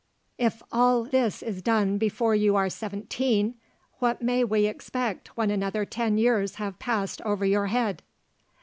"If all this is done before you are seventeen, what may we expect when another ten years have passed over your head?"